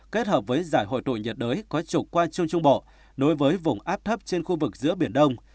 kết hợp với giải hội tụ nhiệt đới có trục qua trung trung bộ nối với vùng áp thấp trên khu vực giữa biển đông